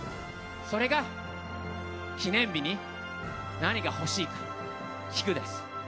それが記念日に何が欲しいか聞くです。